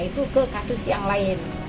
itu ke kasus yang lain